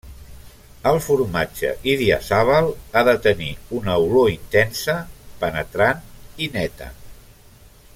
El formatge Idiazabal ha de tenir una olor intensa, penetrant i neta.